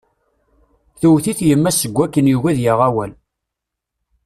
Tewwet-it yemma-s seg wakken yugi ad yaɣ awal.